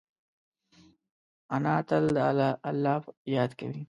انا تل د الله یاد کوي